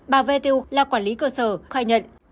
bà v tiêu là quản lý cơ sở khai nhận